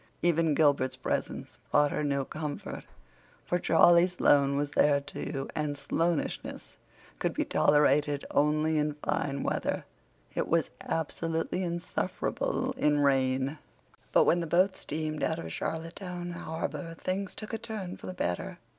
Even Gilbert's presence brought her no comfort, for Charlie Sloane was there, too, and Sloanishness could be tolerated only in fine weather. It was absolutely insufferable in rain. But when the boat steamed out of Charlottetown harbor things took a turn for the better.